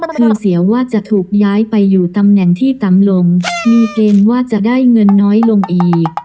เพราะเสียว่าจะถูกย้ายไปอยู่ตำแหน่งที่ต่ำลงมีเกณฑ์ว่าจะได้เงินน้อยลงอีก